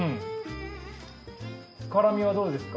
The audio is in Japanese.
辛みはどうですか？